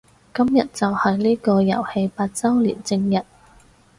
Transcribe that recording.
今日就係呢個遊戲八周年正日